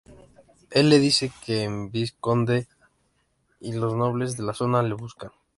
Él le dice que el vizconde y los nobles de la zona le buscan.